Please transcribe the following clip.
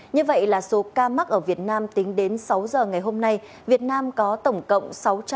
như vậy là số ca mắc ở việt nam tính đến sáu giờ ngày hôm nay việt nam có tổng cộng